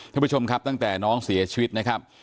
ท่านผู้ชมครับตั้งแต่น้องเสียชีวิตนะครับ